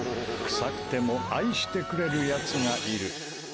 臭くても愛してくれるやつがいる。